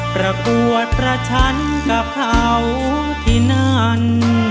ประกวดประชันกับเขาที่นั่น